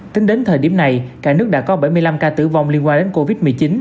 tính đến thời điểm này cả nước đã có bảy mươi năm ca tử vong liên quan đến covid một mươi chín